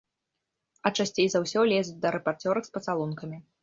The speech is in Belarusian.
А часцей за ўсё лезуць да рэпарцёрак з пацалункамі.